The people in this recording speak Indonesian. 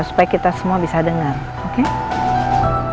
supaya kita semua bisa dengar oke